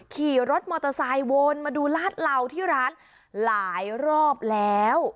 ขี่รถมอเตอร์ไซค์วนมาดูลาดเหล่าที่ร้านหลายรอบแล้ว